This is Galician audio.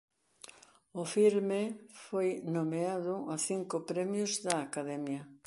O filme foi nomeado a cinco premios da Academia.